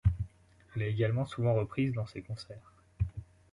Elle est également souvent reprise dans ses concerts.